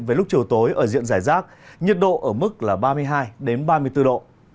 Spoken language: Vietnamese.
với lúc chiều tối ở diện giải rác nhiệt độ ở mức là ba mươi hai ba mươi bốn độ